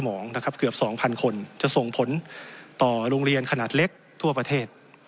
หมองนะครับเกือบ๒๐๐คนจะส่งผลต่อโรงเรียนขนาดเล็กทั่วประเทศ